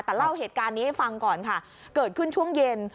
แต่เล่าเหตุการณ์นี้ให้ฟังก่อนค่ะเกิดขึ้นช่วงเย็น